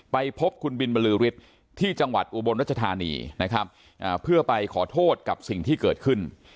ไปพบคุณบินบรือฤทธิ์ที่จังหวัดอุบลรัชธานีนะครับเพื่อไปขอโทษกับสิ่งที่เกิดขึ้น